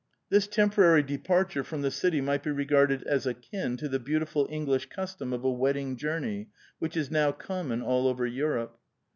This temporary depai ture from the city might be regarded as akin to the beautiful English cus tom of a wedding journey, which is now common all over Europe.